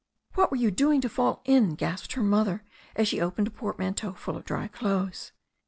"What were you doing to fall in?" gasped her mother, as she opened a portmanteau full of dry clothes.